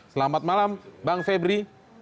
selamat malam bang febri